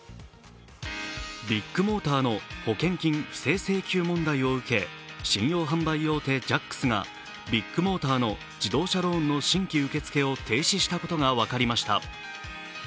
ビッグモーターの保険金不正請求問題を受け、信用販売大手・ジャックスがビッグモーターの自動車ローンの新規受け付けを停止したことが分かりました。